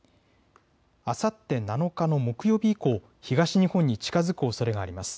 あさって７日の木曜日以降、東日本に近づくおそれがあります。